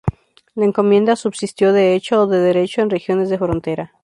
La encomienda subsistió de hecho o de derecho en regiones de frontera.